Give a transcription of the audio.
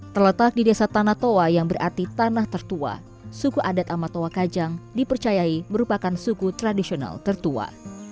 terletak di desa tanah toa yang berarti tanah tertua suku adat amatoa kajang dipercayai merupakan suku tradisional tertua